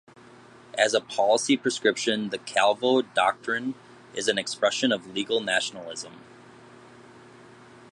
As a policy prescription, the Calvo Doctrine is an expression of legal nationalism.